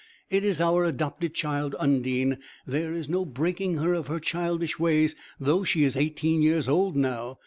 It is our adopted child Undine; there is no breaking her of her childish ways, though she is eighteen years old now.